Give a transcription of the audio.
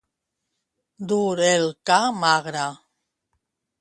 Dur el ca magre.